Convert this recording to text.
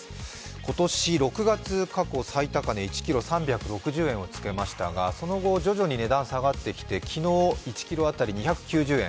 今年６月、過去最高値１ｋｇ＝３６０円をつけましたがその後、徐々に値段下がってきて昨日１ｋｇ当たり２９０円。